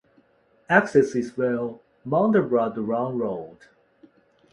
Access is via Mundubbera-Durong Road.